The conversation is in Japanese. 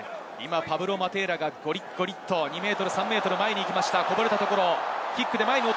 パブロ・マテーラが２ｍ、３ｍ前に行きました。